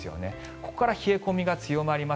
ここから冷え込みが強まります。